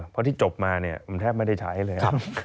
เพราะจบมาแทบไม่ได้ใช้เลย